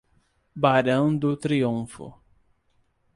Barão do Triunfo